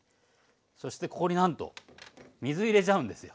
そしてここになんと水入れちゃうんですよ。